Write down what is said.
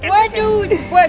waduh si bos